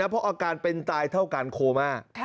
เพราะอาการเป็นตายเท่ากันโคม่า